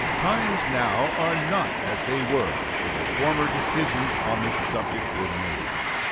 Times now are not as they were when the former decisions on this subject were made.